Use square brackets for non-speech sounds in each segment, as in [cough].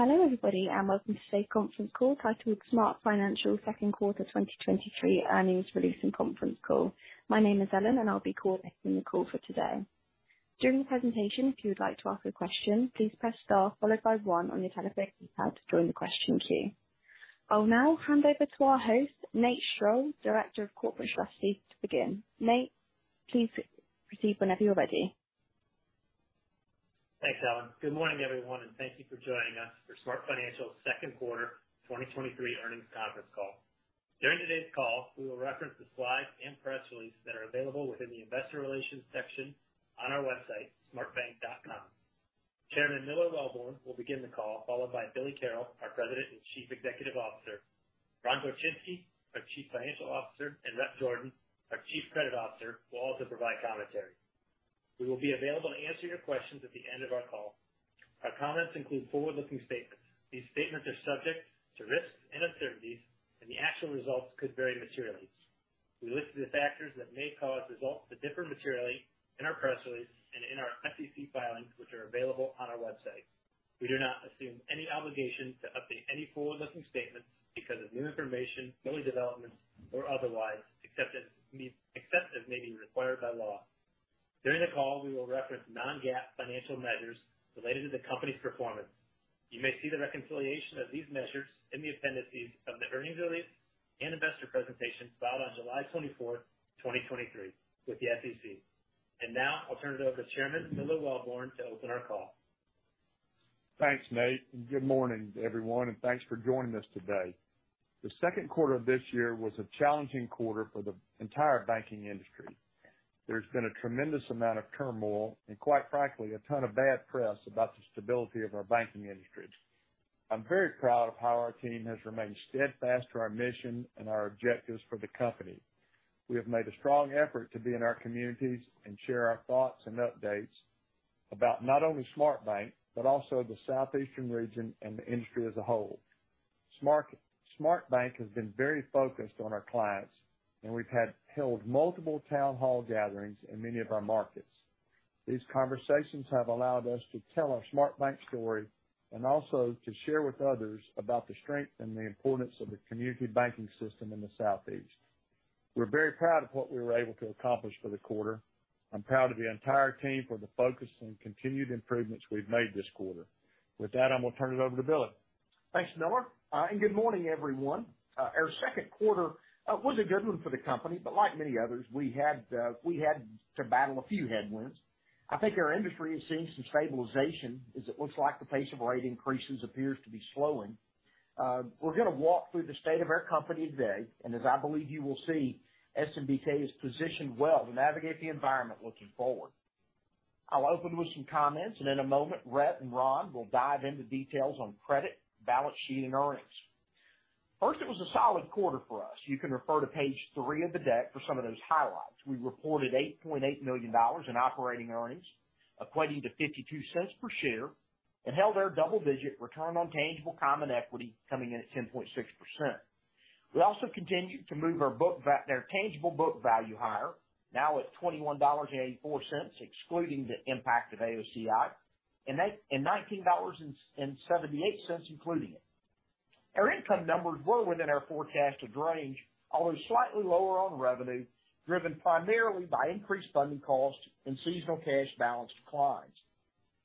Hello, everybody, and welcome to today's conference call titled: SmartFinancial Q2 2023 Earnings Release and Conference Call. My name is Ellen and I'll be coordinating the call for today. During the presentation, if you would like to ask a question, please press star followed by one on your telephone keypad to join the question queue. I'll now hand over to our host, Nate Strall, Director of Corporate Strategy, to begin. Nate, please proceed whenever you're ready. Thanks, Ellen. Good morning, everyone, and thank you for joining us for SmartFinancial's Q2 2023 earnings conference call. During today's call, we will reference the slides and press release that are available within the investor relations section on our website, smartbank.com. Chairman Miller Welborn will begin the call, followed by Billy Carroll, our President and Chief Executive Officer. Ron Gorczynski, our Chief Financial Officer, and Rhett Jordan, our Chief Credit Officer, will also provide commentary. We will be available to answer your questions at the end of our call. Our comments include forward-looking statements. These statements are subject to risks and uncertainties, and the actual results could vary materially. We look to the factors that may cause results to differ materially in our press release and in our SEC filings, which are available on our website. We do not assume any obligation to update any forward-looking statements because of new information, early developments, or otherwise, except as may be required by law. During the call, we will reference non-GAAP financial measures related to the company's performance. You may see the reconciliation of these measures in the appendices of the earnings release and investor presentation filed on July 24, 2023, with the SEC. Now I'll turn it over to Chairman Miller Welborn to open our call. Thanks, Nate, and good morning, everyone, and thanks for joining us today. The Q2 of this year was a challenging quarter for the entire banking industry. There's been a tremendous amount of turmoil and quite frankly, a ton of bad press about the stability of our banking industry. I'm very proud of how our team has remained steadfast to our mission and our objectives for the company. We have made a strong effort to be in our communities and share our thoughts and updates about not only SmartBank, but also the Southeastern region and the industry as a whole. SmartBank has been very focused on our clients, and we've had held multiple town hall gatherings in many of our markets. These conversations have allowed us to tell our SmartBank story and also to share with others about the strength and the importance of the community banking system in the Southeast. We're very proud of what we were able to accomplish for the quarter. I'm proud of the entire team for the focus and continued improvements we've made this quarter. With that, I'm going to turn it over to Billy. Thanks, Miller. Good morning, everyone. Our Q2 was a good one for the company. Like many others, we had to battle a few headwinds. I think our industry is seeing some stabilization as it looks like the pace of rate increases appears to be slowing. We're going to walk through the state of our company today, and as I believe you will see, SNBK is positioned well to navigate the environment looking forward. I'll open with some comments, and in a moment, Rhett and Ron will dive into details on credit, balance sheet, and earnings. First, it was a solid quarter for us. You can refer to page 3 of the deck for some of those highlights. We reported $8.8 million in operating earnings, equating to $0.52 per share, held our double-digit return on tangible common equity, coming in at 10.6%. We also continued to move our tangible book value higher, now at $21.84, excluding the impact of AOCI, and $19.78, including it. Our income numbers were within our forecasted range, although slightly lower on revenue, driven primarily by increased funding costs and seasonal cash balance declines.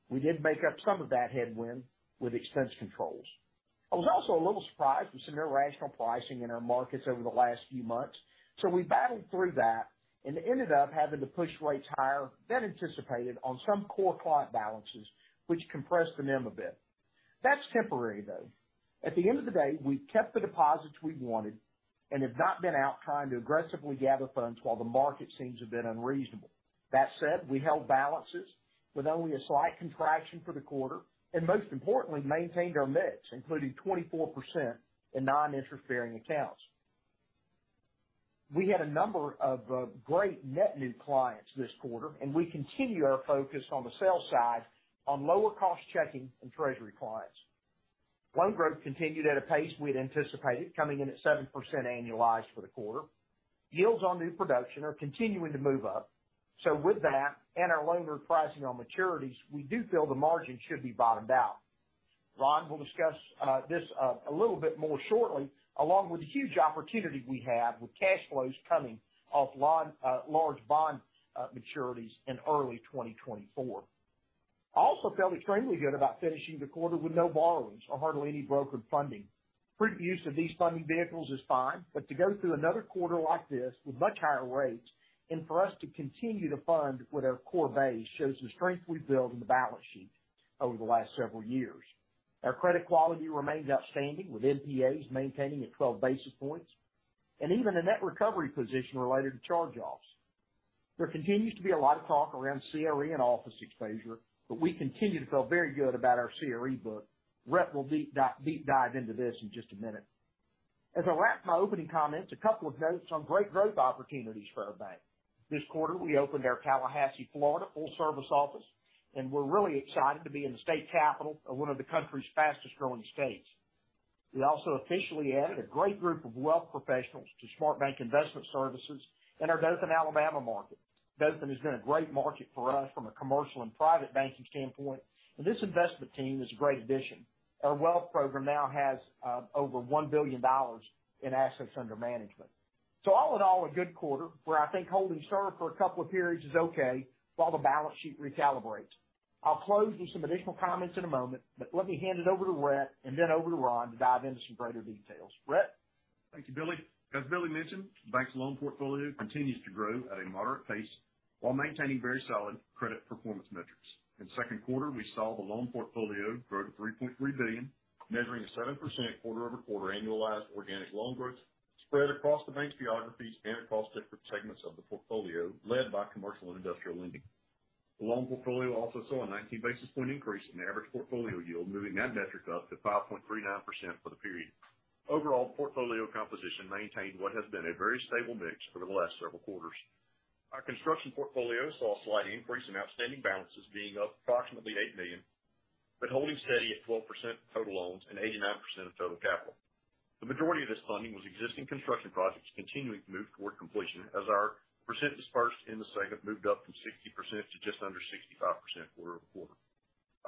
We did make up some of that headwind with expense controls. I was also a little surprised with some irrational pricing in our markets over the last few months, we battled through that and ended up having to push rates higher than anticipated on some core client balances, which compressed the NIM a bit. That's temporary, though. At the end of the day, we've kept the deposits we wanted and have not been out trying to aggressively gather funds while the market seems a bit unreasonable. That said, we held balances with only a slight contraction for the quarter, and most importantly, maintained our mix, including 24% in non-interest-bearing accounts. We had a number of great net new clients this quarter, and we continue our focus on the sales side on lower cost checking and treasury clients. Loan growth continued at a pace we had anticipated, coming in at 7% annualized for the quarter. Yields on new production are continuing to move up. With that and our loan pricing on maturities, we do feel the margin should be bottomed out. Ron will discuss this a little bit more shortly, along with the huge opportunity we have with cash flows coming off large bond maturities in early 2024. I also felt extremely good about finishing the quarter with no borrowings or hardly any brokered funding. Prudent use of these funding vehicles is fine, but to go through another quarter like this with much higher rates and for us to continue to fund with our core base, shows the strength we've built in the balance sheet over the last several years. Our credit quality remains outstanding, with NPAs maintaining at 12 basis points and even a net recovery position related to charge-offs. There continues to be a lot of talk around CRE and office exposure, but we continue to feel very good about our CRE book. Rhett will deep dive into this in just a minute. As I wrap my opening comments, a couple of notes on great growth opportunities for our bank. This quarter, we opened our Tallahassee, Florida, full-service office, and we're really excited to be in the state capital of one of the country's fastest growing states. We also officially added a great group of wealth professionals to SmartBank Investment Services in our Dothan, Alabama market. Dothan has been a great market for us from a commercial and private banking standpoint, and this investment team is a great addition. Our wealth program now has over $1 billion in assets under management. All in all, a good quarter, where I think holding serve for a couple of periods is okay while the balance sheet recalibrates. I'll close with some additional comments in a moment, but let me hand it over to Rhett and then over to Ron to dive into some greater details. Rhett? Thank you, Billy. As Billy mentioned, the bank's loan portfolio continues to grow at a moderate pace while maintaining very solid credit performance metrics. In the Q2, we saw the loan portfolio grow to $3.3 billion, measuring a 7% quarter-over-quarter annualized organic loan growth spread across the bank's geographies and across different segments of the portfolio, led by commercial and industrial lending. The loan portfolio also saw a 19 basis point increase in the average portfolio yield, moving that metric up to 5.39% for the period. The portfolio composition maintained what has been a very stable mix for the last several quarters. Our construction portfolio saw a slight increase in outstanding balances, being up approximately $8 million, but holding steady at 12% of total loans and 89% of total capital. The majority of this funding was existing construction projects continuing to move toward completion, as our percent dispersed in the segment moved up from 60% to just under 65% quarter-over-quarter.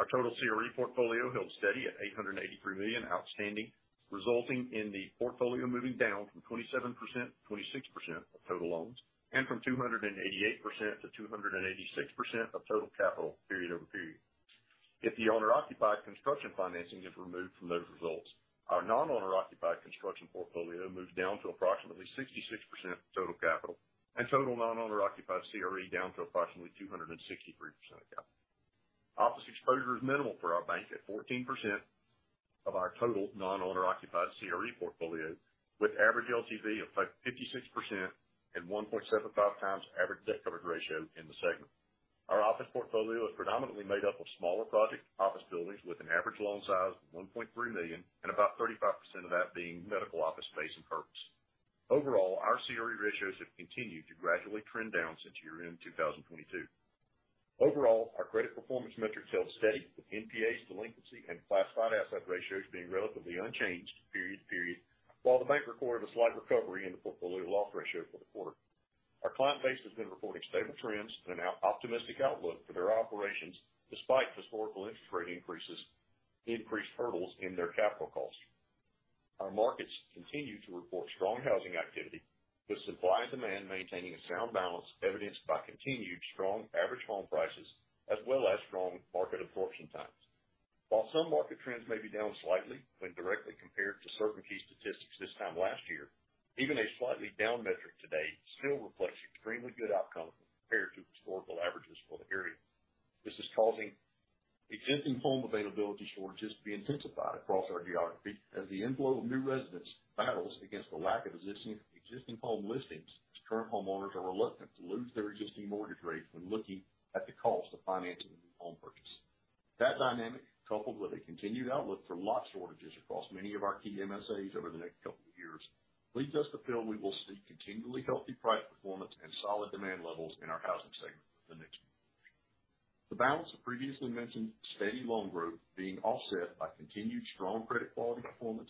Our total CRE portfolio held steady at $883 million outstanding, resulting in the portfolio moving down from 27% to 26% of total loans, and from 288% to 286% of total capital, period-over-period. If the owner-occupied construction financing is removed from those results, our non-owner occupied construction portfolio moves down to approximately 66% of total capital, and total non-owner occupied CRE down to approximately 263% of capital. Office exposure is minimal for our bank at 14% of our total non-owner occupied CRE portfolio, with average LTV of 56% and 1.75 times average debt coverage ratio in the segment. Our office portfolio is predominantly made up of smaller project office buildings with an average loan size of $1.3 million, and about 35% of that being medical office space and purpose. Overall, our CRE ratios have continued to gradually trend down since year-end 2022. Overall, our credit performance metrics held steady, with NPAs, delinquency, and classified asset ratios being relatively unchanged period to period, while the bank recorded a slight recovery in the portfolio loss ratio for the quarter. Our client base has been reporting stable trends and an optimistic outlook for their operations, despite historical interest rate increases, increased hurdles in their capital costs. Our markets continue to report strong housing activity, with supply and demand maintaining a sound balance, evidenced by continued strong average home prices, as well as strong market absorption times. While some market trends may be down slightly when directly compared to certain key statistics this time last year, even a slightly down metric today still reflects extremely good outcomes compared to historical averages for the period. This is causing existing home availability shortages to be intensified across our geography, as the inflow of new residents battles against the lack of existing home listings, as current homeowners are reluctant to lose their existing mortgage rate when looking at the cost of financing a new home purchase. That dynamic, coupled with a continued outlook for lot shortages across many of our key MSAs over the next couple of years, leads us to feel we will see continually healthy price performance and solid demand levels in our housing segment for the next quarter. The balance of previously mentioned steady loan growth being offset by continued strong credit quality performance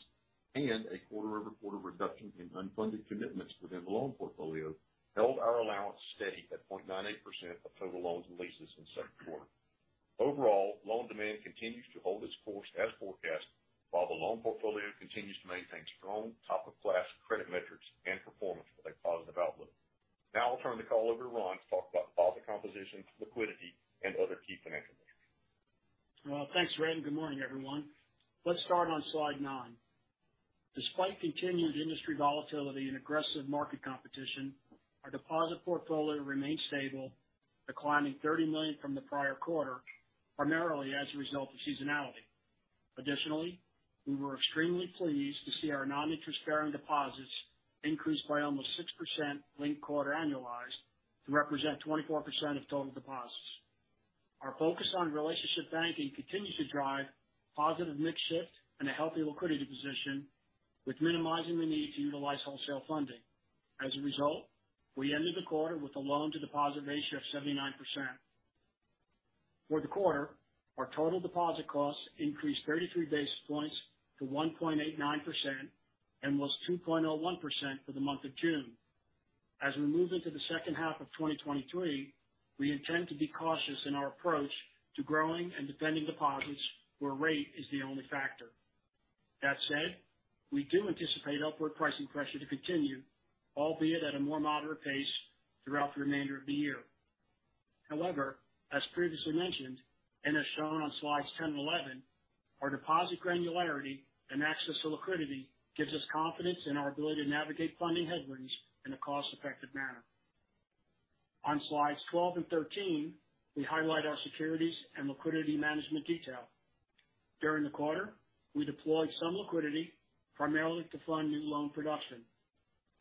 and a quarter-over-quarter reduction in unfunded commitments within the loan portfolio, held our allowance steady at 0.98% of total loans and leases in the Q2. Overall, loan demand continues to hold its course as forecasted, while the loan portfolio continues to maintain strong, top-of-class credit metrics and performance with a positive outlook. Now I'll turn the call over to Ron to talk about deposit composition, liquidity, and other key financial measures. Thanks, Rhett, and good morning, everyone. Let's start on slide 9. Despite continued industry volatility and aggressive market competition, our deposit portfolio remained stable, declining $30 million from the prior quarter, primarily as a result of seasonality. Additionally, we were extremely pleased to see our non-interest bearing deposits increase by almost 6% linked quarter annualized to represent 24% of total deposits. Our focus on relationship banking continues to drive positive mix shift and a healthy liquidity position, with minimizing the need to utilize wholesale funding. As a result, we ended the quarter with a loan-to-deposit ratio of 79%. For the quarter, our total deposit costs increased 33 basis points to 1.89% and was 2.01% for the month of June. As we move into the second half of 2023, we intend to be cautious in our approach to growing and defending deposits where rate is the only factor. That said, we do anticipate upward pricing pressure to continue, albeit at a more moderate pace, throughout the remainder of the year. As previously mentioned, and as shown on slides 10 and 11, our deposit granularity and access to liquidity gives us confidence in our ability to navigate funding headwinds in a cost-effective manner. On slides 12 and 13, we highlight our securities and liquidity management detail. During the quarter, we deployed some liquidity, primarily to fund new loan production.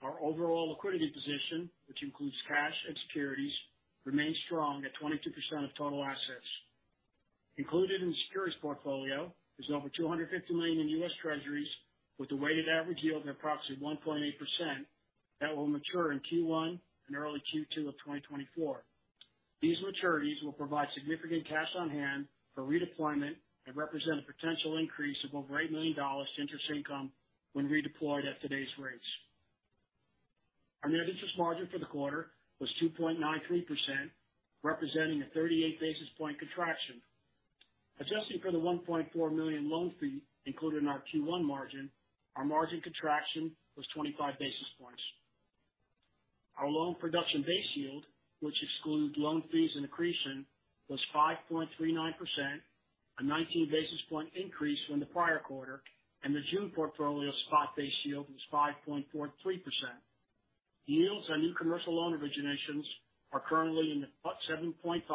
Our overall liquidity position, which includes cash and securities, remains strong at 22% of total assets. Included in the securities portfolio is over $250 million in US Treasuries, with a weighted average yield of approximately 1.8% that will mature in Q1 and early Q2 of 2024. These maturities will provide significant cash on hand for redeployment and represent a potential increase of over $8 million interest income when redeployed at today's rates. Our net interest margin for the quarter was 2.93%, representing a 38 basis point contraction. Adjusting for the $1.4 million loan fee included in our Q1 margin, our margin contraction was 25 basis points. Our loan production base yield, which excludes loan fees and accretion, was 5.39%, a 19 basis point increase from the prior quarter, and the June portfolio spot base yield was 5.43%. Yields on new commercial loan originations are currently in the about 7.5%-8%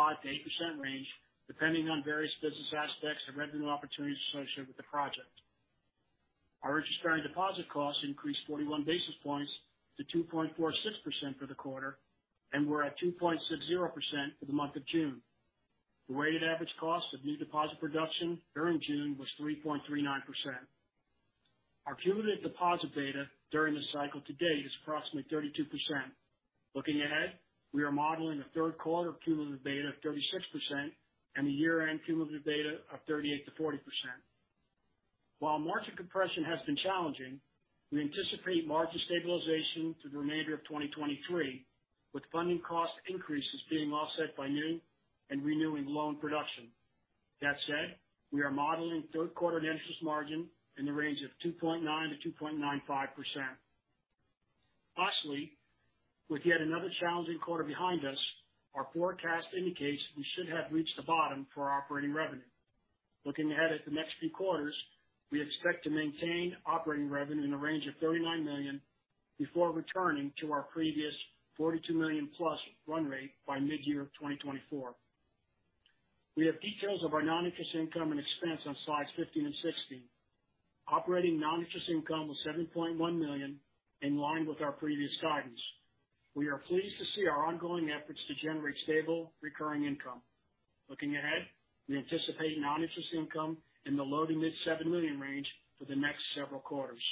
range, depending on various business aspects and revenue opportunities associated with the project. Our interest-bearing deposit costs increased 41 basis points to 2.46% for the quarter and were at 2.60% for the month of June. The weighted average cost of new deposit production during June was 3.39%. Our cumulative deposit beta during the cycle to date is approximately 32%. Looking ahead, we are modeling a third quarter cumulative beta of 36% and a year-end cumulative beta of 38%-40%. While margin compression has been challenging, we anticipate margin stabilization through the remainder of 2023, with funding cost increases being offset by new and renewing loan production. We are modeling third quarter net interest margin in the range of 2.9%-2.95%. With yet another challenging quarter behind us, our forecast indicates we should have reached the bottom for our operating revenue. Looking ahead at the next few quarters, we expect to maintain operating revenue in the range of $39 million, before returning to our previous $42 million+ run rate by midyear 2024. We have details of our non-interest income and expense on slides 15 and 16. Operating non-interest income was $7.1 million, in line with our previous guidance. We are pleased to see our ongoing efforts to generate stable, recurring income. Looking ahead, we anticipate non-interest income in the low to mid $7 million range for the next several quarters.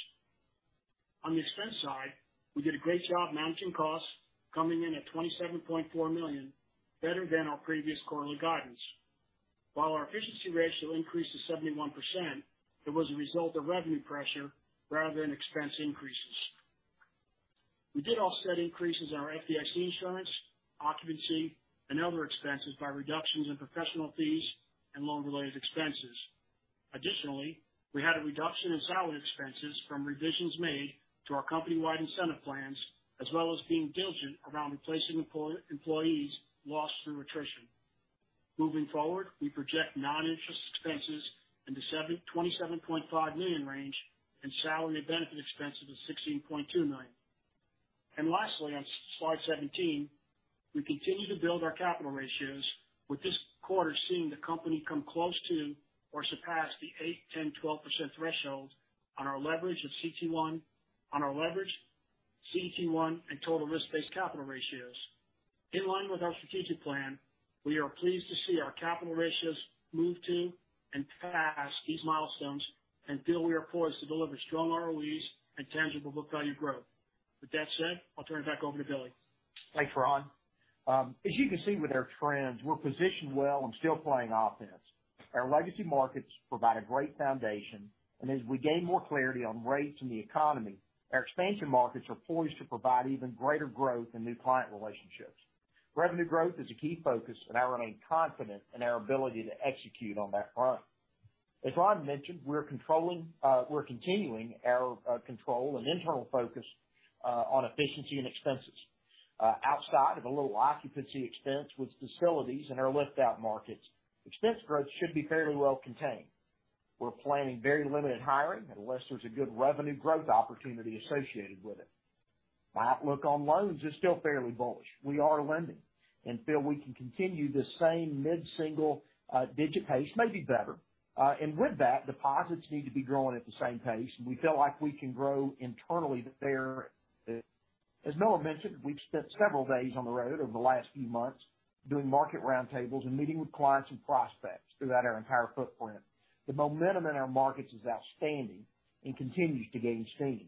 On the expense side, we did a great job managing costs, coming in at $27.4 million, better than our previous quarterly guidance. While our efficiency ratio increased to 71%, it was a result of revenue pressure rather than expense increases. We did offset increases in our FDIC insurance, occupancy, and other expenses by reductions in professional fees and loan-related expenses. Additionally, we had a reduction in salary expenses from revisions made to our company-wide incentive plans, as well as being diligent around replacing employees lost through attrition. Moving forward, we project non-interest expenses in the $27.5 million range and salary benefit expenses of $16.29 million. Lastly, on slide 17, we continue to build our capital ratios, with this quarter seeing the company come close to or surpass the 8%, 10%, 12% threshold on our leverage, CET1, and total risk-based capital ratios. In line with our strategic plan, we are pleased to see our capital ratios move to and pass these milestones and feel we are poised to deliver strong ROEs and tangible book value growth. With that said, I'll turn it back over to Billy. Thanks, Ron. As you can see with our trends, we're positioned well and still playing offense. Our legacy markets provide a great foundation. As we gain more clarity on rates and the economy, our expansion markets are poised to provide even greater growth and new client relationships. Revenue growth is a key focus. I remain confident in our ability to execute on that front. As Ron mentioned, we're continuing our control and internal focus on efficiency and expenses. Outside of a little occupancy expense with facilities in our lift-out markets, expense growth should be fairly well contained. We're planning very limited hiring unless there's a good revenue growth opportunity associated with it. My outlook on loans is still fairly bullish. We are lending. We feel we can continue the same mid-single digit pace, maybe better. With that, deposits need to be growing at the same pace, and we feel like we can grow internally there. As Noah mentioned, we've spent several days on the road over the last few months doing market roundtables and meeting with clients and prospects throughout our entire footprint. The momentum in our markets is outstanding and continues to gain steam.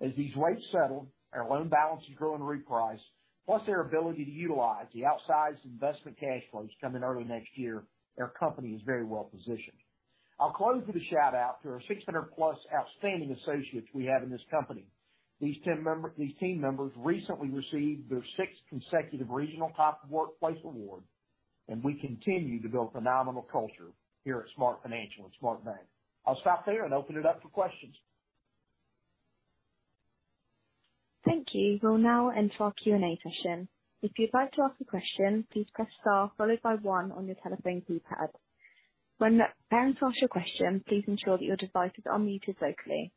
As these rates settle, our loan balances grow and reprice, plus our ability to utilize the outsized investment cash flows coming early next year, our company is very well positioned. I'll close with a shout-out to our 600+ outstanding associates we have in this company. These team members recently received their 6th consecutive Regional Top Workplace award, and we continue to build phenomenal culture here at SmartFinancial and SmartBank. I'll stop there and open it up for questions. Thank you. We'll now enter our Q&A session. If you'd like to ask a question, please press star followed by one on your telephone keypad. When preparing to ask your question, please ensure that your device is on muted locally.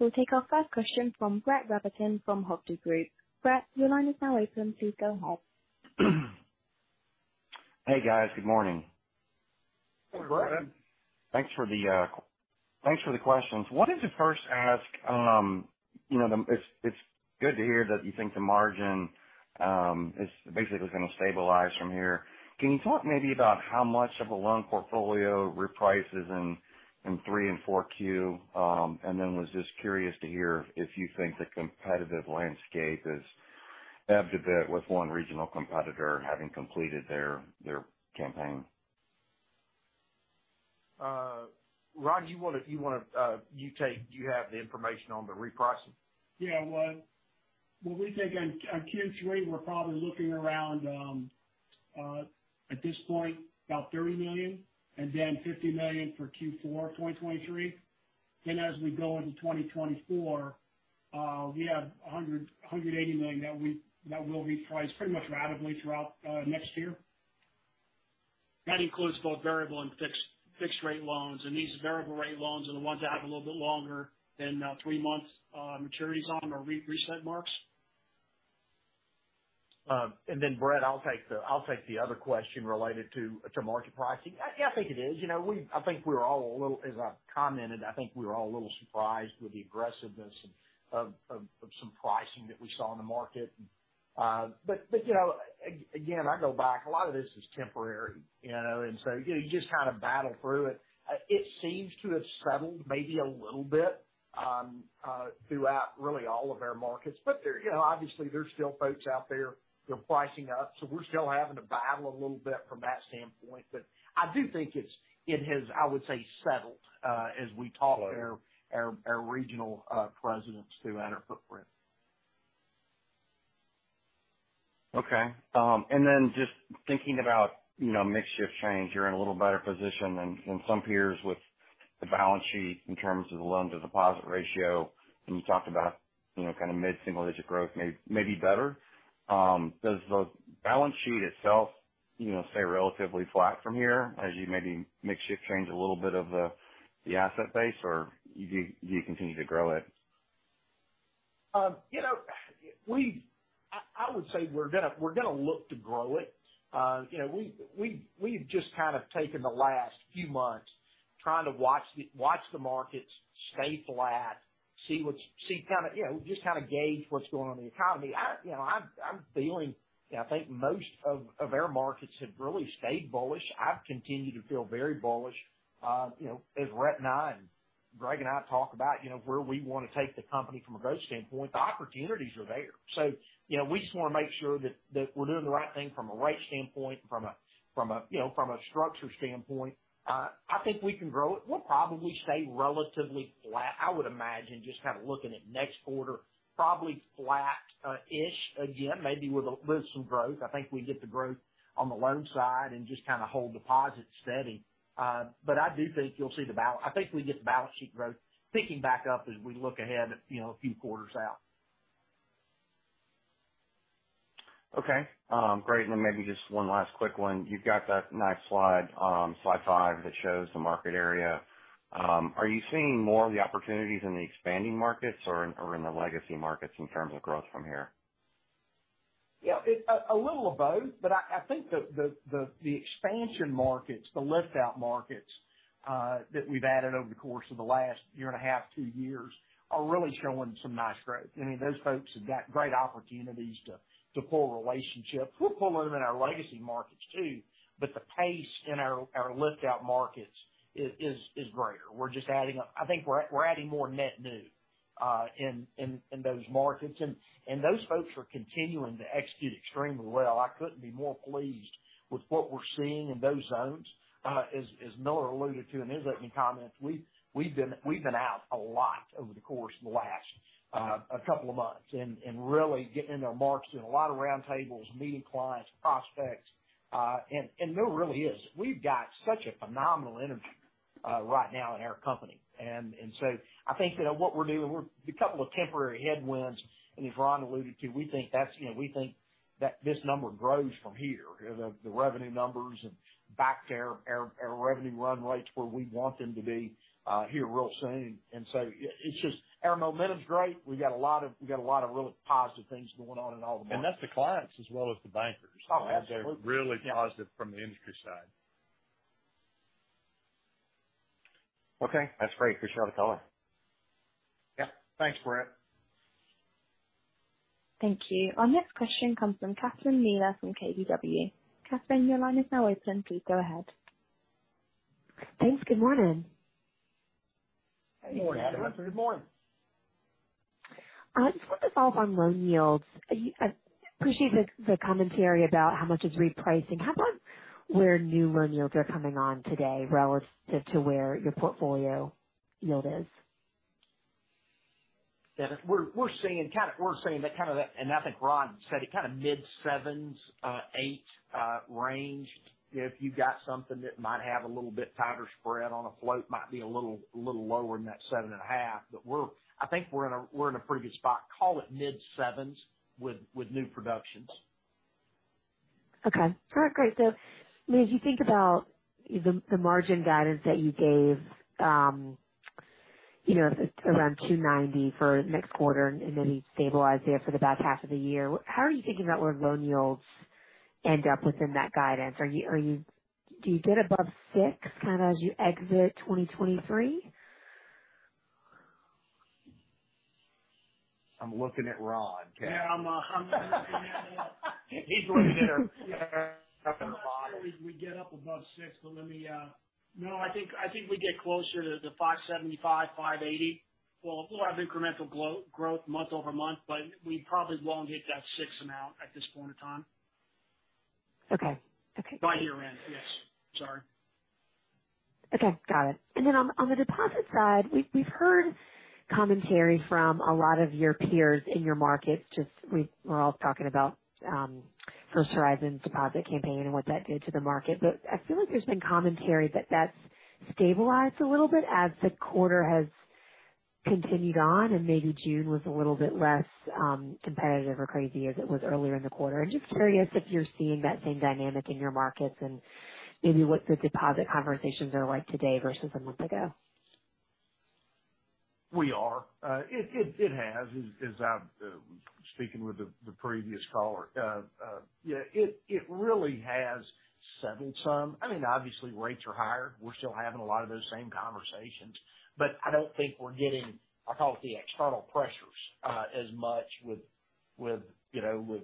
We'll take our first question from Brett Rabatin from Hovde Group. Brett, your line is now open. Please go ahead. Hey, guys, good morning. Hey, Brett. Thanks for the thanks for the questions. Wanted to first ask, you know, It's good to hear that you think the margin is basically going to stabilize from here. Can you talk maybe about how much of a loan portfolio reprices in three and four Q? Was just curious to hear if you think the competitive landscape has ebbed a bit with one regional competitor having completed their campaign. Ron, do you have the information on the repricing? Yeah, well, what we think on Q3, we're probably looking around at this point, about $30 million and then $50 million for Q4, 2023. As we go into 2024, we have $180 million that will reprice pretty much ratably throughout next year. That includes both variable and fixed rate loans, and these variable rate loans are the ones that have a little bit longer than 3 months maturities on them, or reset marks. Brett, I'll take the other question related to market pricing. Yeah, I think it is. You know, I think we're all a little, as I've commented, I think we were all a little surprised with the aggressiveness of some pricing that we saw in the market. You know, again, I go back, a lot of this is temporary, you know, and so, you know, you just kind of battle through it. It seems to have settled maybe a little bit throughout really all of our markets. There, you know, obviously there's still folks out there, they're pricing up, so we're still having to battle a little bit from that standpoint, but I do think it has, I would say, settled. Right to our regional presidents, too, and our footprint. Okay. Then just thinking about, you know, mix shift change, you're in a little better position than some peers with the balance sheet in terms of the loan-to-deposit ratio. You talked about, you know, kind of mid-single digit growth, maybe better. Does the balance sheet itself, you know, stay relatively flat from here as you maybe mix shift change a little bit of the asset base, or do you continue to grow it? you know, we, I would say we're gonna look to grow it. you know, we've just kind of taken the last few months trying to watch the markets, stay flat, see what's kind of, you know, just kind of gauge what's going on in the economy. I, you know, I'm feeling, you know, I think most of our markets have really stayed bullish. I've continued to feel very bullish. you know, as Rhett and I, and Greg and I talk about, you know, where we want to take the company from a growth standpoint, the opportunities are there. you know, we just want to make sure that we're doing the right thing from a rate standpoint, from a, you know, from a structure standpoint. I think we can grow it. We'll probably stay relatively flat. I would imagine, just kind of looking at next quarter, probably flat, ish again, maybe with some growth. I think we get the growth on the loan side and just kind of hold deposits steady. I do think you'll see I think we get the balance sheet growth ticking back up as we look ahead, you know, a few quarters out. Okay. great. Maybe just one last quick one. You've got that nice slide 5, that shows the market area. Are you seeing more of the opportunities in the expanding markets or in the legacy markets in terms of growth from here? Yeah, a little of both. I think the expansion markets, the lift-out markets, that we've added over the course of the last 1.5 years, 2 years, are really showing some nice growth. I mean, those folks have got great opportunities to pull relationships. We're pulling them in our legacy markets, too. The pace in our lift-out markets is greater. I think we're adding more net new in those markets, and those folks are continuing to execute extremely well. I couldn't be more pleased with what we're seeing in those zones. As Miller alluded to in his opening comments, we've been out a lot over the course of the last a couple of months and really getting into our markets, doing a lot of roundtables, meeting clients, prospects, and Miller really is. We've got such a phenomenal energy right now in our company. I think that what we're doing, a couple of temporary headwinds, and as Ron alluded to, we think that's, you know, we think that this number grows from here, the revenue numbers and back to our revenue run rates where we want them to be here real soon. It's just, our momentum's great. We got a lot of really positive things going on in all the markets. That's the clients as well as the bankers. Oh, absolutely. They're really positive from the industry side. Okay, that's great. Appreciate all the color. Yep. Thanks, Brett. Thank you. Our next question comes from Catherine Mealor from KBW. Catherine, your line is now open. Please go ahead. Thanks. Good morning. Good morning, Catherine. Good morning. I just wanted to follow up on loan yields. I appreciate the commentary about how much is repricing. How about where new loan yields are coming on today relative to where your portfolio yield is? Yeah, we're seeing that kind of, and I think Ron said it, kind of mid 7s, 8 range. If you've got something that might have a little bit tighter spread on a float, might be a little lower than that 7.5. I think we're in a pretty good spot. Call it mid 7s with new productions. Okay. All right, great. As you think about the margin guidance that you gave, you know, around 2.90% for next quarter, and then you stabilize there for the back half of the year, how are you thinking about where loan yields end up within that guidance? Do you get above 6%, kind of as you exit 2023? I'm looking at Ron, Catherine. Yeah, I'm looking at him. He's right there up in the bottom. We get up above 6, but let me. I think we get closer to the 575, 580. We'll have incremental growth month-over-month, but we probably won't hit that 6 amount at this point in time. Okay. Okay. By year-end, yes. Sorry. Okay, got it. On the deposit side, we've heard commentary from a lot of your peers in your markets, just we're all talking about First Horizon's deposit campaign and what that did to the market. I feel like there's been commentary that that's stabilized a little bit as the quarter has continued on, and maybe June was a little bit less competitive or crazy as it was earlier in the quarter. I'm just curious if you're seeing that same dynamic in your markets and maybe what the deposit conversations are like today versus a month ago? We are. It has, as I'm speaking with the previous caller. Yeah, it really has settled some. I mean, obviously rates are higher. We're still having a lot of those same conversations, but I don't think we're getting, I call it the external pressures, as much with, you know,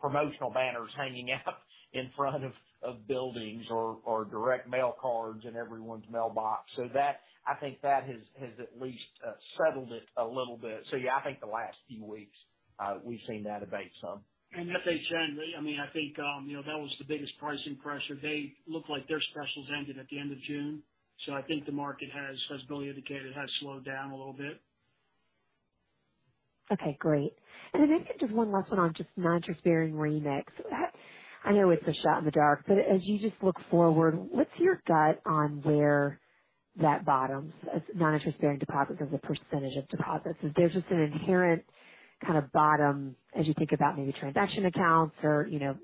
promotional banners hanging out in front of buildings or direct mail cards in everyone's mailbox. That... I think that has at least settled it a little bit. Yeah, I think the last few weeks, we've seen that abate some. And FHN, I mean, I think, you know, that was the biggest pricing pressure. They look like their specials ended at the end of June, so I think the market has, as Billy indicated, has slowed down a little bit. Okay, great. I think just one last one on just non-interest bearing remix. I know it's a shot in the dark, but as you just look forward, what's your gut on where that bottoms, as non-interest bearing deposits as a % of deposits? Is there just an inherent kind of bottom as you think about maybe transaction accounts or, you know,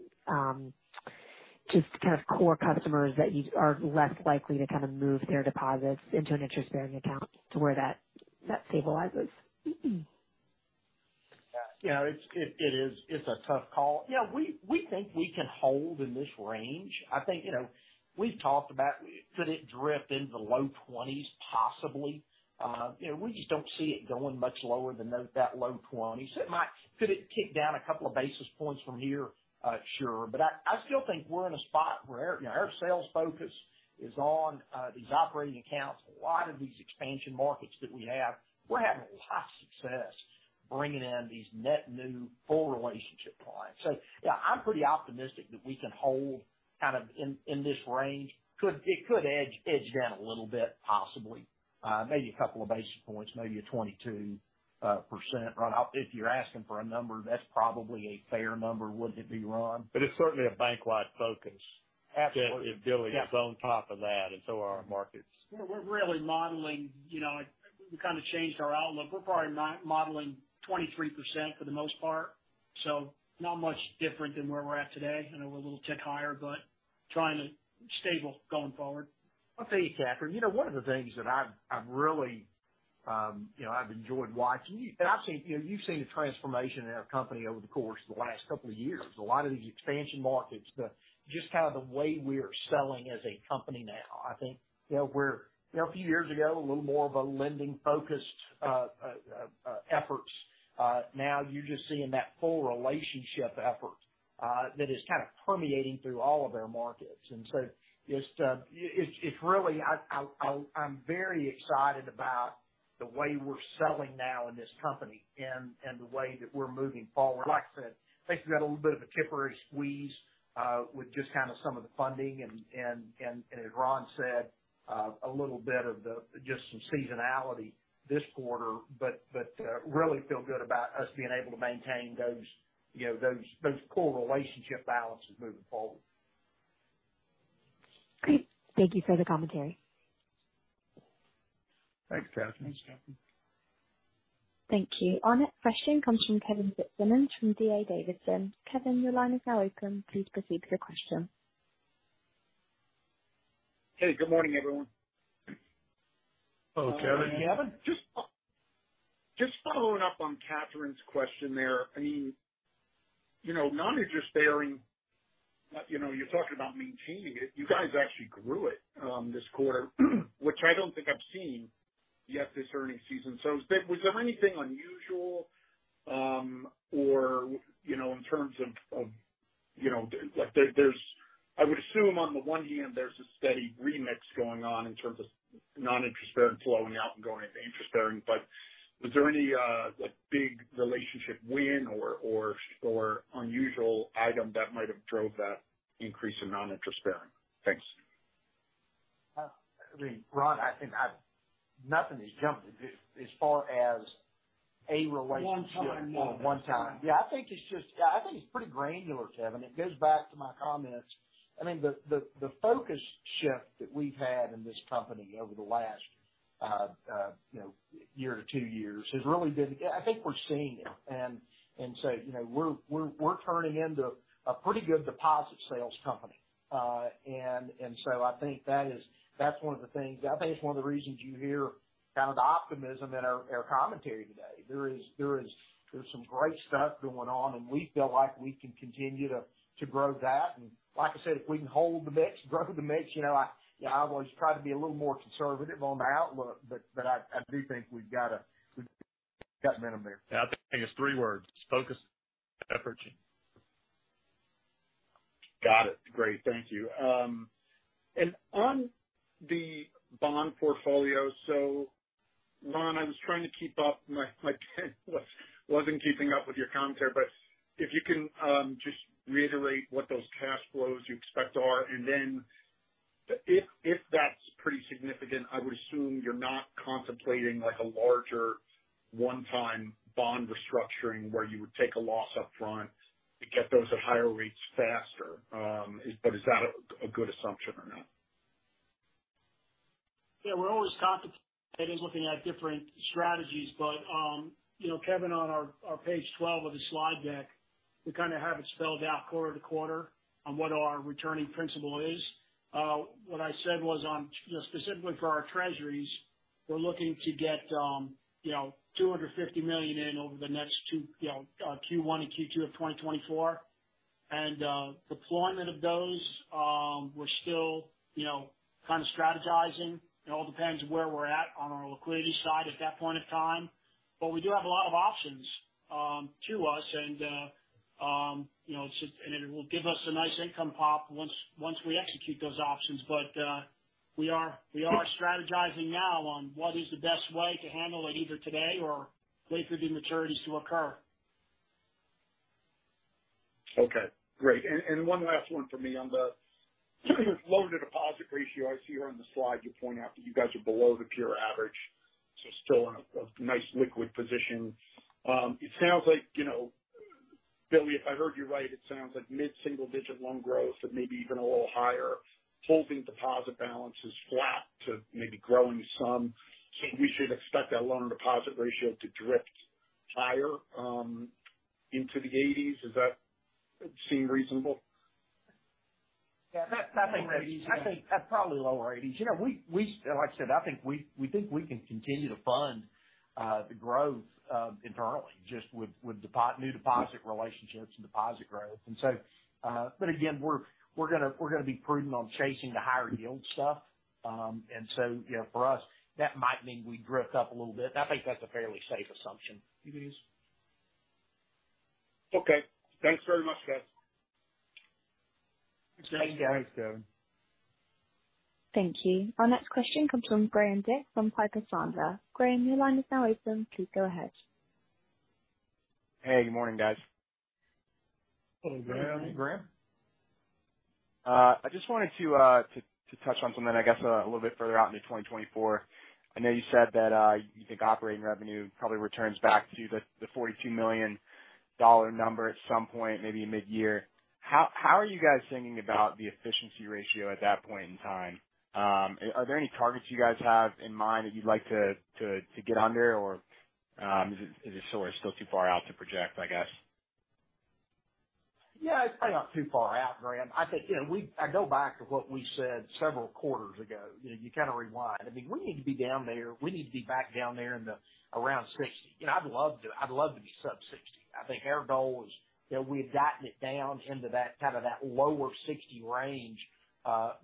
just kind of core customers that are less likely to kind of move their deposits into an interest-bearing account to where that stabilizes? Yeah, it is. It's a tough call. Yeah, we think we can hold in this range. I think, you know, we've talked about could it drift into the low 20s, possibly. You know, we just don't see it going much lower than the, that low 20s. Could it tick down a couple of basis points from here? Sure. I still think we're in a spot where, you know, our sales focus is on these operating accounts. A lot of these expansion markets that we have, we're having a lot of success bringing in these net new full relationship clients. Yeah, I'm pretty optimistic that we can hold kind of in this range. It could edge down a little bit, possibly, maybe a couple of basis points, maybe a 22%. Ron, if you're asking for a number, that's probably a fair number, wouldn't it be, Ron? It's certainly a bank-wide focus. Absolutely. Billy is on top of that, and so are our markets. We're really modeling, you know, we kind of changed our outlook. We're probably modeling 23% for the most part, so not much different than where we're at today. I know we're a little tick higher, but trying to stable going forward. I'll tell you, Catherine, you know, one of the things that I've really, you know, I've enjoyed watching. You know, you've seen the transformation in our company over the course of the last couple of years. A lot of these expansion markets, the, just kind of the way we are selling as a company now, I think, you know. You know, a few years ago, a little more of a lending focused efforts. Now you're just seeing that full relationship effort that is kind of permeating through all of our markets. Just, it's really I'm very excited about the way we're selling now in this company and the way that we're moving forward. Like I said, I think we got a little bit of a temporary squeeze, with just kind of some of the funding and as Ron said, a little bit of the, just some seasonality this quarter, but really feel good about us being able to maintain those, you know, those core relationship balances moving forward. Great. Thank you for the commentary. Thanks, Catherine. Thanks, Catherine. Thank you. Our next question comes from Kevin Fitzsimmons, from D.A. Davidson. Kevin, your line is now open. Please proceed with your question. Hey, good morning, everyone. Hello, Kevin. Kevin. Just following up on Catherine's question there. I mean, you know, non-interest bearing, you know, you're talking about maintaining it. You guys actually grew it this quarter, which I don't think I've seen yet this earnings season. Was there anything unusual, or, you know, in terms of, you know, like, there's I would assume on the one hand, there's a steady remix going on in terms of non-interest bearing flowing out and going into interest bearing? Was there any, like, big relationship win or unusual item that might have drove that increase in non-interest bearing? Thanks. I mean, Ron, nothing is jumping as far as a relationship. One time. One time. Yeah, I think it's pretty granular, Kevin. It goes back to my comments. I mean, the focus shift that we've had in this company over the last, you know, year to two years has really been. I think we're seeing it. You know, we're turning into a pretty good deposit sales company. I think that's one of the things. I think it's one of the reasons you hear kind of the optimism in our commentary today. There's some great stuff going on, and we feel like we can continue to grow that. Like I said, if we can hold the mix, grow the mix, you know, I, you know, I've always tried to be a little more conservative on the outlook, but I do think we've got a minimum there. Yeah, I think it's three words: focus, effort, [equity]. Got it. Great. Thank you. On the bond portfolio, Ron, I was trying to keep up. My pen wasn't keeping up with your commentary, but if you can, just reiterate what those cash flows you expect are, and then if that's pretty significant, I would assume you're not contemplating like a larger one-time bond restructuring, where you would take a loss upfront to get those at higher rates faster. Is that a good assumption or not? Yeah, we're always contemplating looking at different strategies. You know, Kevin, on our page 12 of the slide deck, we kind of have it spelled out quarter to quarter on what our returning principle is. What I said was on, you know, specifically for our treasuries, we're looking to get, you know, $250 million in over the next two, you know, Q1 and Q2 of 2024. Deployment of those, we're still, you know, kind of strategizing. It all depends on where we're at on our liquidity side at that point in time. We do have a lot of options to us, and, you know, it will give us a nice income pop once we execute those options. We are strategizing now on what is the best way to handle it, either today or wait for the maturities to occur. Okay, great. One last one for me on the loan-to-deposit ratio. I see here on the slide, you point out that you guys are below the peer average, still in a nice liquid position. It sounds like, you know, Billy, if I heard you right, it sounds like mid-single-digit loan growth and maybe even a little higher, holding deposit balances flat to maybe growing some. We should expect that loan-to-deposit ratio to drift higher, into the 80s. Does that seem reasonable? Yeah. That, I think that's probably lower 80s. You know, we, like I said, I think we think we can continue to fund the growth internally, just with new deposit relationships and deposit growth. But again, we're gonna be prudent on chasing the higher yield stuff. You know, for us, that might mean we drift up a little bit. I think that's a fairly safe assumption it is. Okay. Thanks very much, guys. Thanks, Kevin. Thanks, Kevin. Thank you. Our next question comes from Graham Dick from Piper Sandler. Graham, your line is now open. Please go ahead. Hey, good morning, guys. Good morning, Graham. Graham. I just wanted to touch on something, I guess, a little bit further out into 2024. I know you said that, you think operating revenue probably returns back to the $42 million number at some point, maybe mid-year. Ho w, how are you guys thinking about the efficiency ratio at that point in time? Are there any targets you guys have in mind that you'd like to get under? Is it sort of still too far out to project, I guess? Yeah, it's probably not too far out, Graham. I think, you know, I go back to what we said several quarters ago. You know, you kind of rewind. I mean, we need to be down there, we need to be back down there in the, around 60. You know, I'd love to, I'd love to be sub 60. I think our goal is, you know, we had gotten it down into that, kind of, that lower 60 range,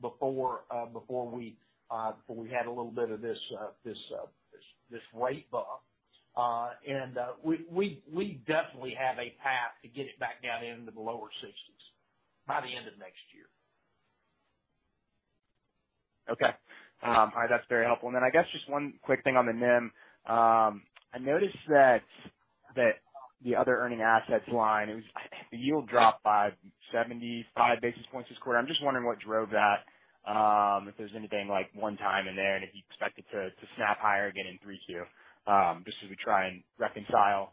before we, before we had a little bit of this rate bump. We definitely have a path to get it back down into the lower 60s by the end of next year. All right. That's very helpful. I guess just one quick thing on the NIM. I noticed that the other earning assets line, the yield dropped by 75 basis points this quarter. I'm just wondering what drove that. If there's anything like one time in there, and if you expect it to snap higher again in 3Q, just as we try and reconcile,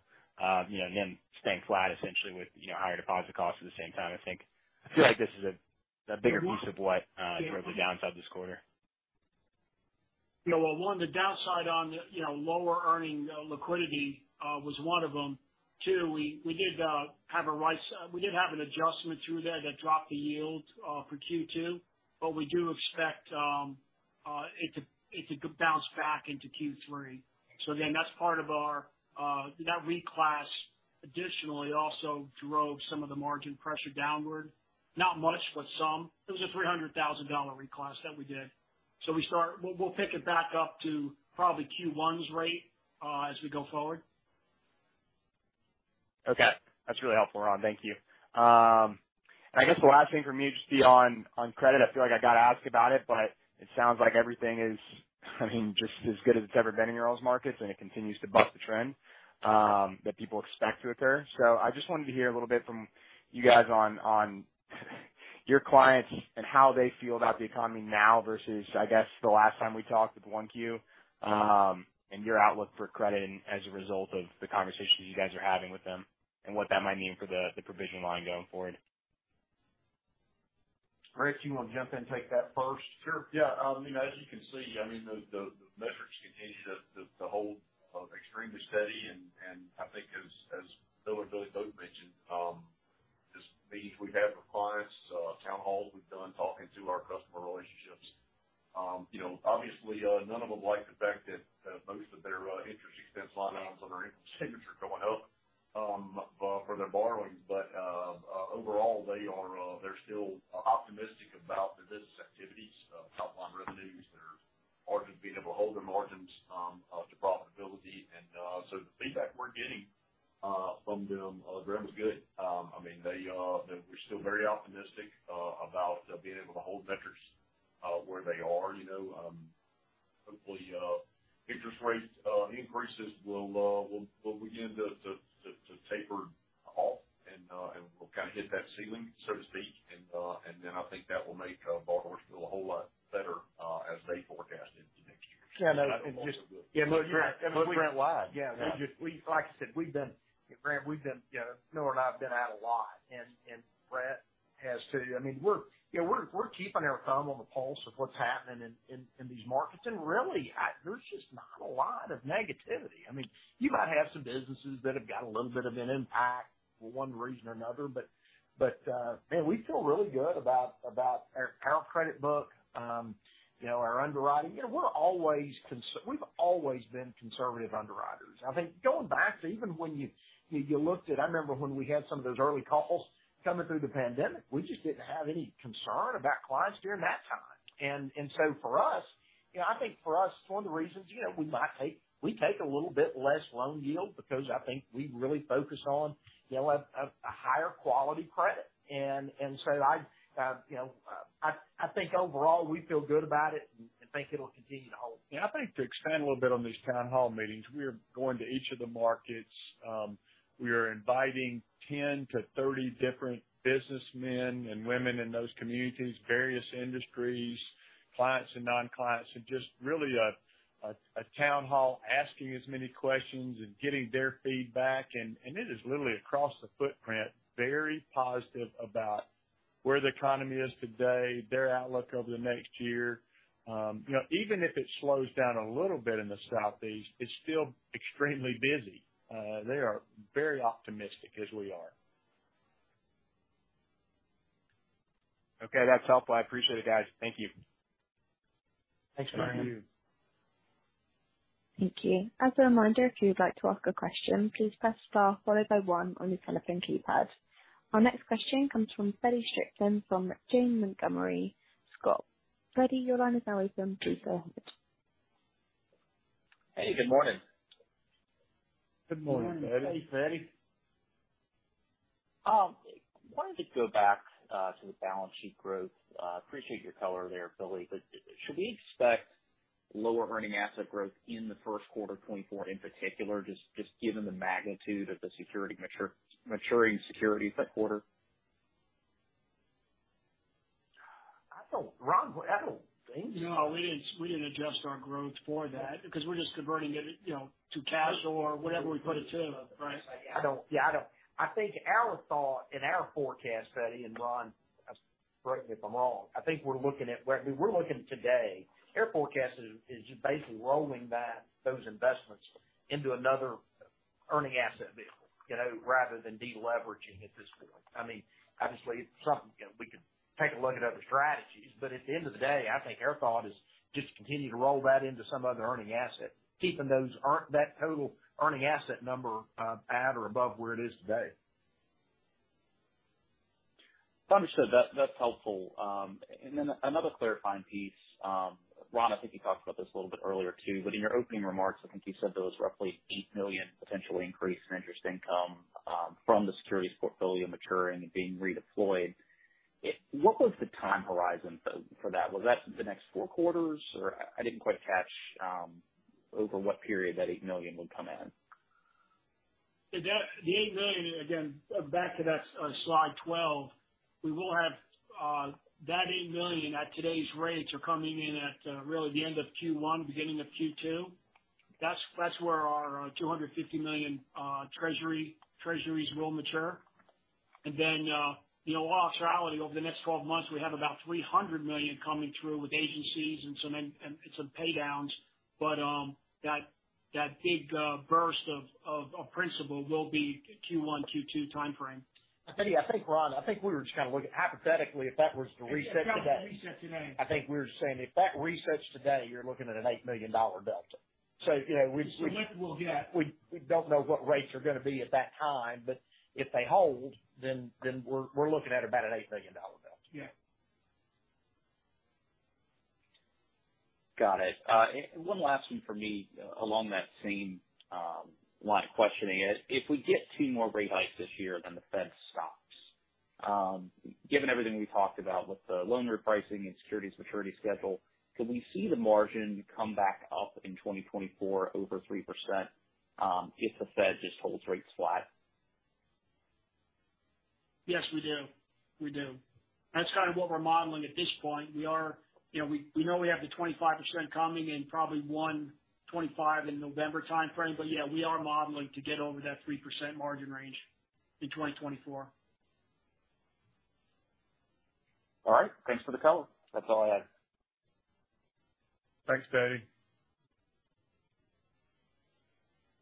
you know, NIM staying flat essentially with, you know, higher deposit costs at the same time. I think I feel like this is a bigger piece of what drove the downside this quarter. You know, well, one, the downside on the, you know, lower earning liquidity was one of them. We did have a rice, we did have an adjustment through there that dropped the yield for Q2, but we do expect it to bounce back into Q3. Again, that's part of our, that reclass additionally also drove some of the margin pressure downward. Not much, but some. It was a $300,000 reclass that we did. We'll pick it back up to probably Q1's rate as we go forward. Okay. That's really helpful, Ron. Thank you. I guess the last thing from me just be on credit. I feel like I got to ask about it, but it sounds like everything is, I mean, just as good as it's ever been in y'all's markets, and it continues to buck the trend, that people expect to occur. I just wanted to hear a little bit from you guys on your clients and how they feel about the economy now versus, I guess, the last time we talked at one Q. Your outlook for credit and as a result of the conversations you guys are having with them, and what that might mean for the provision line going forward. Rhett, do you want to jump in and take that first? Sure, yeah. You know, as you can see, I mean, the metrics continue to hold extremely steady. I think as Bill and Billy both mentioned, just the meetings we've had with clients, town halls we've done talking to our customer relationships. You know, obviously, none of them like the fact that most of their interest expense line items on their income statement are going up for their borrowings. Overall, they are, they're still optimistic about the business activity. margins, being able to hold the margins, up to profitability. The feedback we're getting, from them, Brett, is good. I mean, they were still very optimistic about being able to hold metrics where they are, you know. Hopefully, interest rates increases will begin to taper off, and we'll kind of hit that ceiling, so to speak. I think that will make borrowers feel a whole lot better as they forecast into next year. Yeah, no, and just. [crosstalk] Yeah. Brent, live. [crosstalk] Yeah. We, like I said, we've been, Brent, we've been, you know, Noah and I have been out a lot, and Rhett has, too. I mean, we're, you know, we're keeping our thumb on the pulse of what's happening in these markets. Really, there's just not a lot of negativity. I mean, you might have some businesses that have got a little bit of an impact for one reason or another, man, we feel really good about our current credit book. You know, our underwriting, you know, we've always been conservative underwriters. I think going back to even when you looked at, I remember when we had some of those early calls coming through the pandemic, we just didn't have any concern about clients during that time. For us, you know, I think for us, it's one of the reasons, you know, we take a little bit less loan yield because I think we really focus on, you know, a higher quality credit. I, you know, I think overall, we feel good about it and think it'll continue to hold. Yeah, I think to expand a little bit on these town hall meetings, we are going to each of the markets. We are inviting 10 to 30 different businessmen and women in those communities, various industries, clients and non-clients, so just really a town hall asking as many questions and getting their feedback. It is literally across the footprint, very positive about where the economy is today, their outlook over the next year. You know, even if it slows down a little bit in the Southeast, it's still extremely busy. They are very optimistic, as we are. Okay, that's helpful. I appreciate it, guys. Thank you. Thanks you. [crosstalk] Thank you. As a reminder, if you would like to ask a question, please press star followed by one on your telephone keypad. Our next question comes from Feddie Strickland from Janney Montgomery Scott. Freddie, your line is now open. Please go ahead. Hey, good morning. Good morning, Feddie. Good morning. Hey, Freddie. Wanted to go back to the balance sheet growth. Appreciate your color there, Billy, should we expect lower earning asset growth in the first quarter of 2024 in particular, just given the magnitude of the maturing securities that quarter? I don't, Ron, I don't think so. No, we didn't adjust our growth for that because we're just converting it, you know, to cash or whatever we put it to, right? I think our thought and our forecast, Feddie and Ron, correct me if I'm wrong, I think we're looking today, our forecast is basically rolling back those investments into another earning asset vehicle, you know, rather than deleveraging at this point. I mean, obviously, it's something, you know, we could take a look at other strategies, but at the end of the day, I think our thought is just to continue to roll that into some other earning asset, keeping that total earning asset number at or above where it is today. Understood. That's helpful. Another clarifying piece, Ron, I think you talked about this a little bit earlier, too. In your opening remarks, I think you said there was roughly $8 million potentially increase in interest income from the securities portfolio maturing and being redeployed. What was the time horizon for that? Was that the next four quarters, or I didn't quite catch, over what period that $8 million would come in? The $8 million, again, back to that, slide 12, we will have that $8 million at today's rates are coming in at really the end of Q1, beginning of Q2. That's where our $250 million US Treasuries will mature. You know, in all actuality over the next 12 months, we have about $300 million coming through with agencies and some in, and some pay downs. That big burst of principal will be Q1, Q2 timeframe. Feddie, I think, Ron, I think we were just kind of looking hypothetically, if that were to reset today. Probably reset today. I think we're saying if that resets today, you're looking at an $8 million delta. you know, Which we'll get. We don't know what rates are going to be at that time, but if they hold, then we're looking at about an $8 million delta. Yeah. Got it. One last one for me along that same line of questioning is, if we get 2 more rate hikes this year, then the Fed stops. Given everything we talked about with the loan repricing and securities maturity schedule, could we see the margin come back up in 2024 over 3%, if the Fed just holds rates flat? Yes, we do. That's kind of what we're modeling at this point. We are, you know, we know we have the 25% coming in, probably 1.25 in November timeframe. Yeah, we are modeling to get over that 3% margin range in 2024. All right. Thanks for the color. That's all I have. Thanks, Freddie.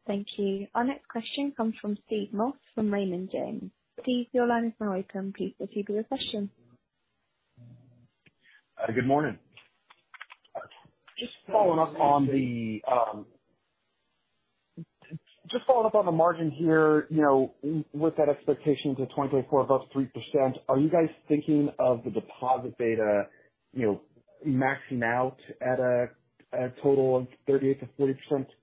Thank you. Our next question comes from Steve Moss from Raymond James. Steve, your line is now open. Please proceed with your question. Good morning. Just following up on the margin here, you know, with that expectation to 2024 above 3%, are you guys thinking of the cumulative deposit beta, you know, maxing out at a total of 38%-40%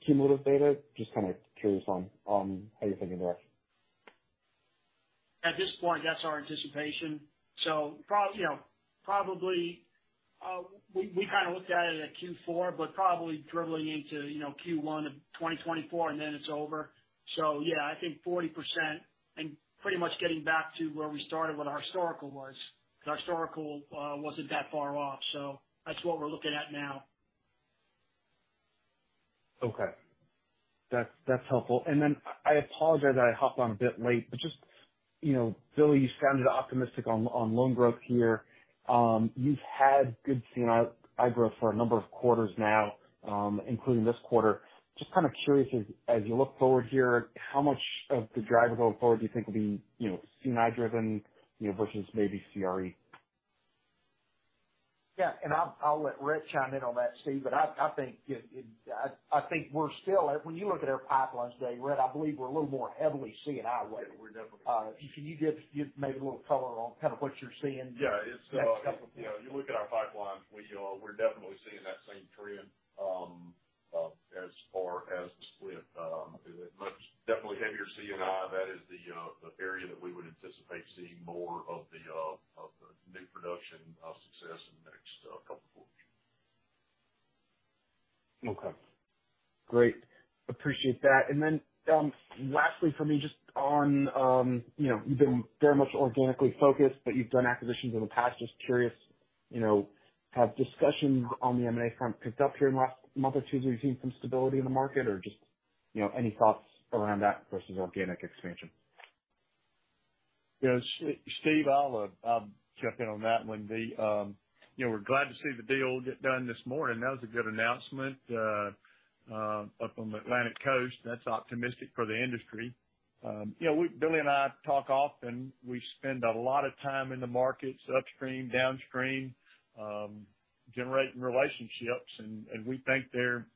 cumulative beta? Just kind of curious on how you're thinking there. At this point, that's our anticipation. You know, probably, we kind of looked at it in Q4, but probably dribbling into, you know, Q1 of 2024, and then it's over. Yeah, I think 40% and pretty much getting back to where we started, what our historical was, because historical, wasn't that far off. That's what we're looking at now. Okay. That's, that's helpful. I apologize that I hopped on a bit late, just, you know, Billy, you sounded optimistic on loan growth here. You've had good C&I growth for a number of quarters now, including this quarter. Just kind of curious, as you look forward here, how much of the drivers going forward do you think will be, you know, C&I driven, you know, versus maybe CRE? Yeah, I'll let Rhett chime in on that, Steve. I think we're still, when you look at our pipelines today, Rick, I believe we're a little more heavily C&I-wise. Yeah, we're definitely. Can you give maybe a little color on kind of what you're seeing? Yeah. It's. Yeah. You know, you look at our pipeline, we're definitely seeing that same trend, as far as the split, a much definitely heavier C&I. That is the area that we would anticipate seeing more of the of the new production, success in the next couple quarters. Okay, great. Appreciate that. Then, lastly for me, just on, you know, you've been very much organically focused, but you've done acquisitions in the past. Just curious, you know, have discussions on the M&A front picked up here in the last month or two? Have you seen some stability in the market or just, you know, any thoughts around that versus organic expansion? Yeah, Steve, I'll jump in on that one. You know, we're glad to see the deal get done this morning. That was a good announcement up on the Atlantic Coast. That's optimistic for the industry. You know, Billy and I talk often. We spend a lot of time in the markets, upstream, downstream, generating relationships, and we think there are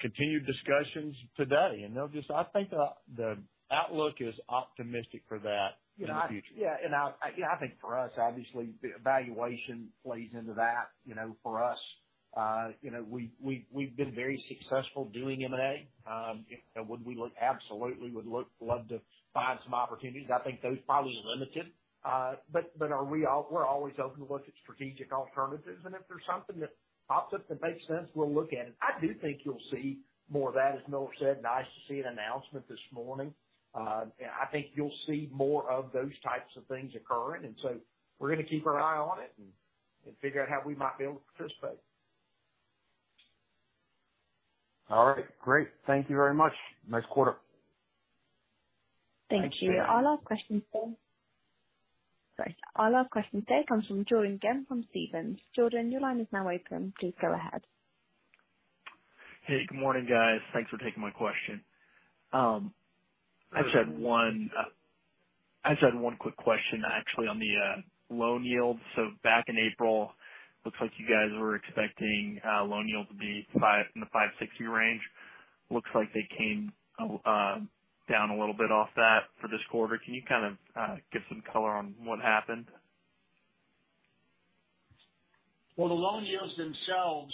continued discussions today, and I think the outlook is optimistic for that in the future. Yeah, and I, yeah, I think for us, obviously, valuation plays into that. You know, for us, you know, we've been very successful doing M&A. Would we look? Absolutely, love to find some opportunities. I think those probably are limited. We're always open to look at strategic alternatives, and if there's something that pops up that makes sense, we'll look at it. I do think you'll see more of that, as Miller said, nice to see an announcement this morning. I think you'll see more of those types of things occurring, we're going to keep our eye on it and figure out how we might be able to participate. All right. Great. Thank you very much. Nice quarter. Thank you. Our last question, sorry, our last question today comes from Jordan Ghent from Stephens. Jordan, your line is now open. Please go ahead. Hey, good morning, guys. Thanks for taking my question. I just had one quick question, actually, on the loan yield. Back in April, looks like you guys were expecting, loan yield to be 5, in the 5-6 yield range. Looks like they came down a little bit off that for this quarter. Can you kind of give some color on what happened? The loan yields themselves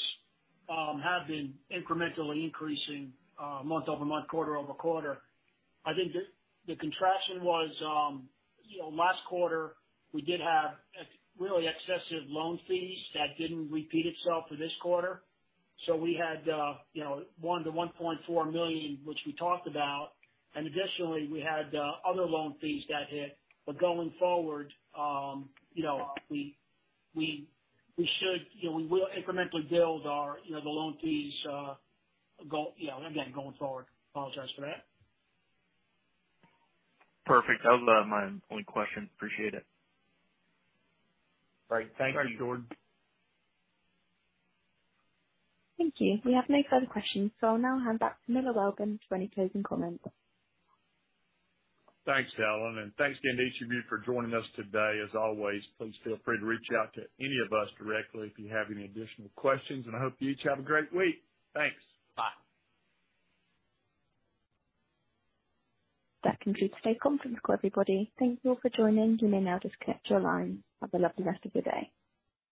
have been incrementally increasing month-over-month, quarter-over-quarter. I think the contraction was, you know, last quarter, we did have really excessive loan fees that didn't repeat itself for this quarter. We had, you know, $1 million-$1.4 million, which we talked about, and additionally, we had other loan fees that hit. Going forward, you know, we should, you know, we will incrementally build our, you know, the loan fees, you know, again, going forward. Apologize for that. Perfect. That was my only question. Appreciate it. Great. Thank you, Jordan. Thank you. We have no further questions. I'll now hand back to Miller Welborn for any closing comments. Thanks, Ellen. Thanks again to each of you for joining us today. As always, please feel free to reach out to any of us directly if you have any additional questions. I hope you each have a great week. Thanks. Bye. That concludes today's conference call, everybody. Thank you all for joining. You may now disconnect your line. Have a lovely rest of your day.